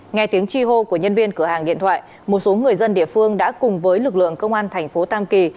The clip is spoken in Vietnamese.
nghe tiếng chi hô của nhân viên cửa hàng điện thoại một số người dân địa phương đã cùng với lực lượng công an thành phố tam kỳ